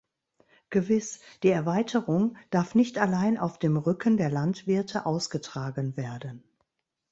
Gewiss, die Erweiterung darf nicht allein auf dem Rücken der Landwirte ausgetragen werden.